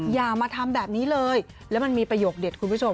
อย่ามาทำแบบนี้เลยแล้วมันมีประโยคเด็ดคุณผู้ชม